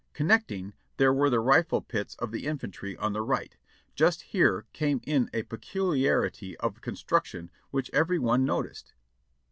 Connecting, there were the rifle pits of the infantry on the right. Just here came in a peculiarity of construction which every one noticed.